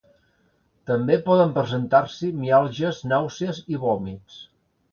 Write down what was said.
També poden presentar-s'hi miàlgies, nàusees i vòmits.